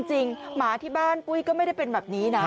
หมาที่บ้านปุ้ยก็ไม่ได้เป็นแบบนี้นะ